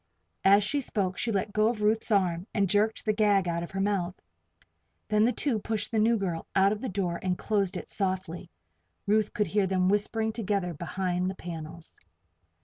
As she spoke she let go of Ruth's arm and jerked the gag out of her mouth. Then the two pushed the new girl out of the door and closed it softly. Ruth could hear them whispering together behind the panels.